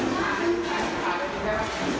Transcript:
ไม่มีไหม